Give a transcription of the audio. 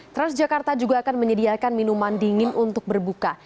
transjakarta juga akan menyediakan minuman dingin untuk berbuka